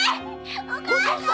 お母さん！